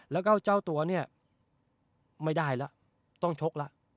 แล้วก็เจ้าตัวเนี่ยไม่ได้แล้วต้องชกแล้ว